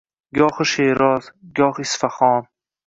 Gohi Sheroz, goh Isfahon.